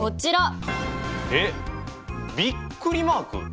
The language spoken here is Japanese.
えっびっくりマーク！？